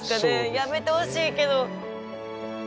やめてほしいけど。